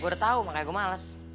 gue udah tau makanya gue males